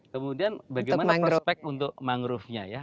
kemudian bagaimana prospek untuk mangrovenya ya